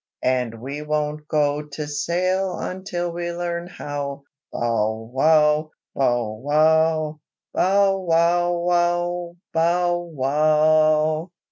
And we won't go to sail until we learn how," Bow wow! bow wow! bow wow wow! bow wow!